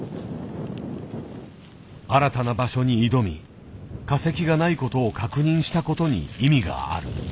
新たな場所に挑み化石がない事を確認した事に意味がある。